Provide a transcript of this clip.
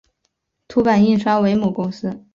凸版印刷为母公司。